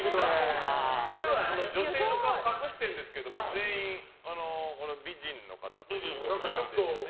これは女性の顔隠してるんですけども全員美人の方ということですよね。